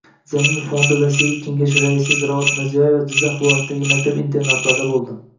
Zamin fondi vasiylik kengashi raisi Ziroat Mirziyoyeva Jizzax viloyatidagi maktab-internatlarda bo‘ldi